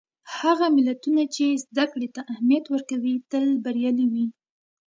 هغه ملتونه چې زدهکړې ته اهمیت ورکوي، تل بریالي وي.